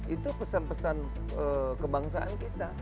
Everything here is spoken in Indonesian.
itu pesan pesan kebangsaan kita